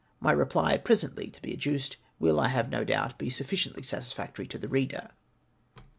My reply, presently to be adduced, wiU, I have no doubt, be sufficiently satisfactory to the reader.